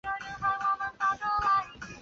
此站月台上方设有全长的夹层。